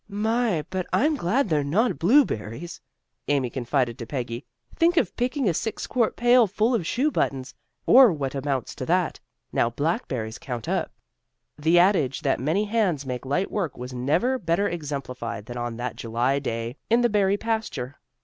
"My, but I'm glad they're not blueberries," Amy confided to Peggy. "Think of picking a six quart pail full of shoe buttons, or what amounts to that. Now, blackberries count up." The adage that many hands make light work was never better exemplified than on that July day in the berry pasture.